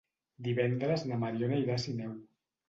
Divendres na Mariona irà a Sineu.